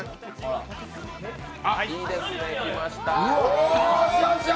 あ、いいですね、来ました。